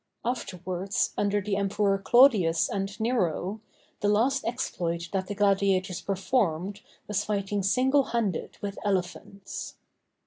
Afterwards, under the Emperors Claudius and Nero, the last exploit that the gladiators performed was fighting single handed with elephants.